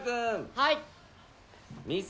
はい。